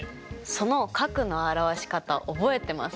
その角の表し方覚えてますか？